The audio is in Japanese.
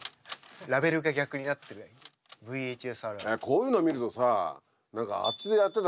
こういうのを見るとさ何かあっちでやってたの要らないわ。